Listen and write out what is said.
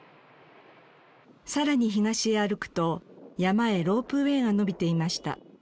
さらに東へ歩くと山へロープウェーが延びていました。